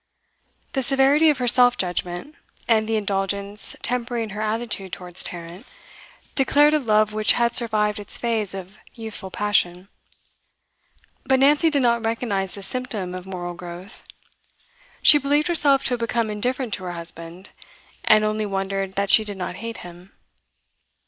The severity of her self judgment, and the indulgence tempering her attitude towards Tarrant, declared a love which had survived its phase of youthful passion. But Nancy did not recognise this symptom of moral growth. She believed herself to have become indifferent to her husband, and only wondered that she did not hate him.